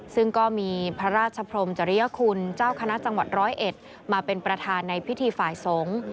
ซึ่งก็มีพระราชพรมจริยคุณเจ้าคณะจังหวัดร้อยเอ็ดมาเป็นประธานในพิธีฝ่ายสงฆ์